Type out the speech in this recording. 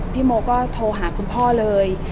พี่โมก็โทรหาคุณพ่อเลย